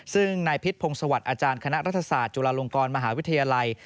ซึ่งนายพิษพงศวรรค์อาจารย์คณะรัฐศาสตร์จุฬาลงกรมหาวิทยาลัย